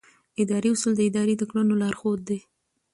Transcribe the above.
اداري اصول د ادارې د کړنو لارښود دي.